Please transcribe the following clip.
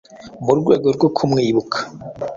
mu rwego rwo kumwibuka